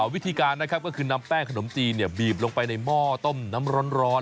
วิธีการนะครับก็คือนำแป้งขนมจีนบีบลงไปในหม้อต้มน้ำร้อน